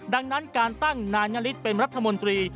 ดังนั้นการตั้งนายนฤทธิเป็นรัฐมนตรี